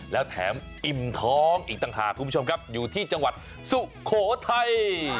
แล้วแถมอิ่มท้องอีกต่างหากคุณผู้ชมครับอยู่ที่จังหวัดสุโขทัย